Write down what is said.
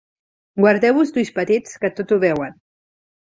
Guardeu-vos d'ulls petits, que tot ho veuen.